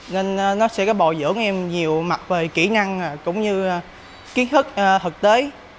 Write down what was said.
nên nó sẽ bồi dưỡng em nhiều mặt về kỹ năng cũng như kiến thức thực tế